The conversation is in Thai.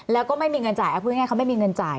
แล้วก็ไม่มีเงินจ่ายเอาพูดง่ายเขาไม่มีเงินจ่าย